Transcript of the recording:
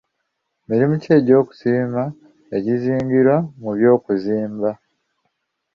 Mirimu ki egy'okusima egizingirwa mu by'okuzimba.